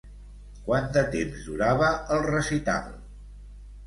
Quant de temps durava el recital?